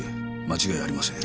間違いありません。